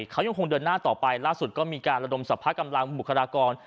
เขายังคงเดินหน้าต่อไปล่าสุดก็มีการระดมสรรพกำลังบุคลากร